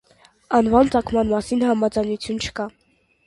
Անվան ծագման մասին համաձայնություն չկա։